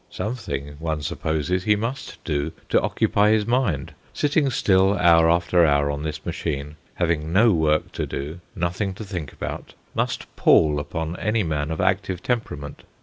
Something, one supposes, he must do to occupy his mind: sitting still hour after hour on this machine, having no work to do, nothing to think about, must pall upon any man of active temperament.